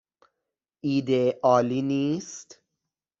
ایده عالی نیست؟